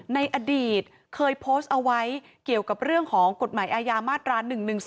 ในอดีตเคยโพสต์เอาไว้เกี่ยวกับเรื่องของกฎหมายอาญามาตรา๑๑๒